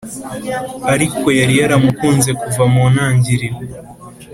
ariko yari yaramukunze kuva mu ntangiriro.